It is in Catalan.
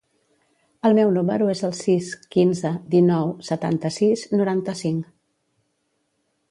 El meu número es el sis, quinze, dinou, setanta-sis, noranta-cinc.